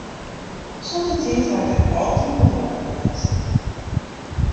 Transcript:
Sûnt dy tiid ha ik dêr altyd mei dwaande west.